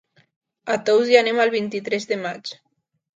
A Tous hi anem el vint-i-tres de maig.